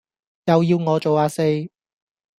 又要我做呀四